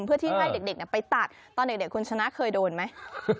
เพื่อที่ให้เด็กไปตัดตอนเด็กคุณชนะเคยโดนไหม